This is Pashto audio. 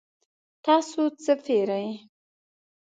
تاسو څه پیرئ؟